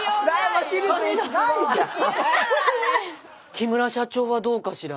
木村社長はどうかしら？